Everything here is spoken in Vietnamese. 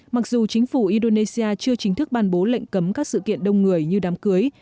mặc dù chính phủ indonesia chưa chính thức bàn bố lệnh cấm các sự kiện đông người như đám cưới